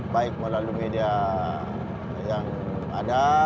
baik melalui media yang ada